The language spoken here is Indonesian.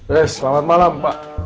ya selamat malam pak